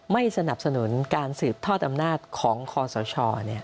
ไม่สนับสนุนการสืบทอดอำนาจของคอสช